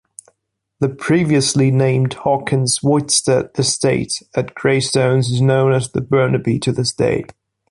The previously-named Hawkins-Whitshed estate at Greystones is known as The Burnaby to this day.